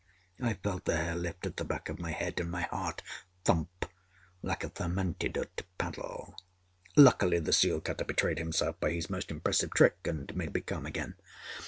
I felt the hair lift at the back of my head, and my heart thump like a thermantidote paddle. Luckily, the seal cutter betrayed himself by his most impressive trick and made me calm again.